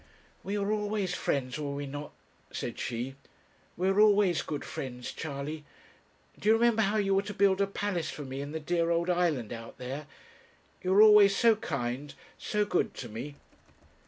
'We were always friends, were we not?' said she; 'we were always good friends, Charley. Do you remember how you were to build a palace for me in the dear old island out there? You were always so kind, so good to me.'